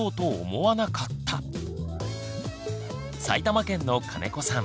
埼玉県の金子さん。